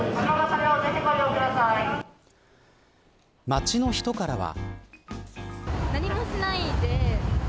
街の人からは。